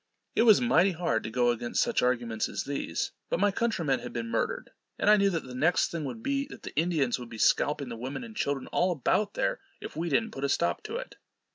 It was mighty hard to go against such arguments as these; but my countrymen had been murdered, and I knew that the next thing would be, that the Indians would be scalping the women and children all about there, if we didn't put a stop to it.